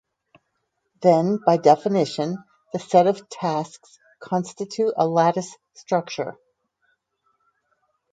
Then, by definition, the set of tasks constitute a lattice structure.